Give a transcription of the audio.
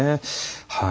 はい。